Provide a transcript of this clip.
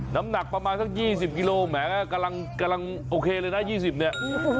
น้ำหนักประมาณสัก๒๐กิโลแหมกำลังโอเคเลยนะ๒๐เนี่ย